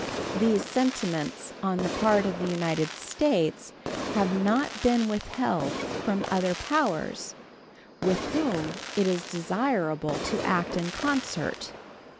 These sentiments on the part of the United States have not been withheld from other powers, with whom it is desirable to act in concert.